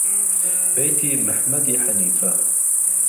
بەیتی محمەدی حەنیفە